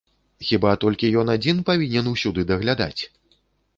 Хіба толькі ён адзін павінен усюды даглядаць?